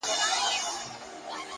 پرمختګ د دوامداره تمرین نتیجه ده.